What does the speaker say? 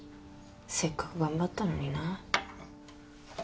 せっかく頑張ったのにな。